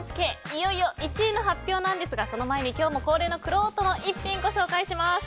いよいよ１位の発表なんですがその前に今日も恒例のくろうとの逸品をご紹介します。